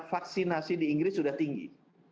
vaksinasi di inggris sudah tinggi